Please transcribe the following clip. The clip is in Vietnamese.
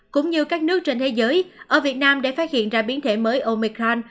cũng như các nước trên thế giới ở việt nam để phát hiện ra biến thể mới omicrand